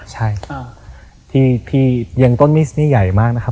ใช่ที่ยังต้นมิสนี่ใหญ่มากนะครับ